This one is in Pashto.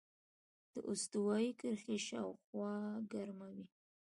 د استوایي کرښې شاوخوا هوا ګرمه وي.